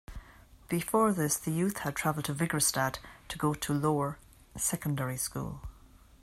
Before this the youth had traveled to Vigrestad to go to lower secondary school.